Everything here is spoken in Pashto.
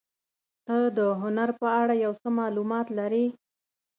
ته د هنر په اړه یو څه معلومات لرې؟